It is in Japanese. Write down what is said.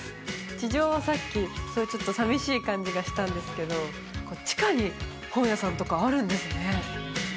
地上はさっきちょっと寂しい感じがしたんですけど地下に本屋さんとかあるんですね